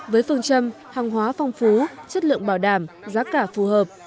với phần trăm hàng hóa phong phú chất lượng bảo đảm giá cả phù hợp